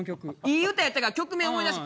いい歌やったから曲名思い出して。